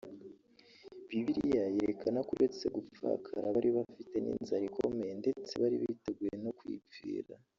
Bibiliya yerekana ko uretse gupfakara bari bafite n’inzara ikomeye ndetse bari biteguye no kwipfira